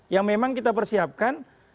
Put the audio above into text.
yang memang kita persiapkan